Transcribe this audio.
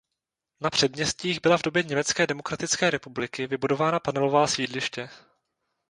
Na předměstích byla v době Německé demokratické republiky vybudována panelová sídliště.